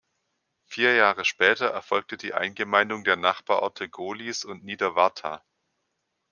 Vier Jahre später erfolgte die Eingemeindung der Nachbarorte Gohlis und Niederwartha.